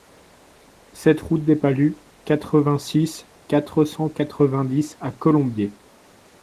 sept route des Pallus, quatre-vingt-six, quatre cent quatre-vingt-dix à Colombiers